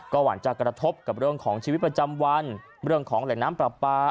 หวั่นจะกระทบกับเรื่องของชีวิตประจำวันเรื่องของแหล่งน้ำปลาปลา